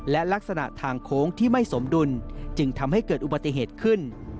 และลักษณะทางโค้งที่ไม่สมดุลจึงทำให้เกิดอุบัติเหตุขึ้น